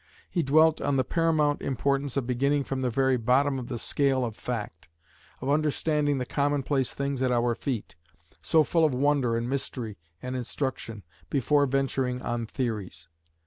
He dwelt on the paramount importance of beginning from the very bottom of the scale of fact, of understanding the commonplace things at our feet, so full of wonder and mystery and instruction, before venturing on theories.